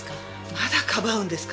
まだかばうんですか？